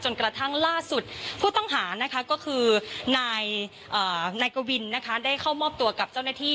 กระทั่งล่าสุดผู้ต้องหานะคะก็คือนายกวินนะคะได้เข้ามอบตัวกับเจ้าหน้าที่